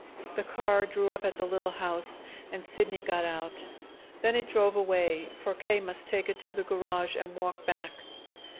The car drew up at the little house, and Sidney got out. Then it drove away, for K. must take it to the garage and walk back.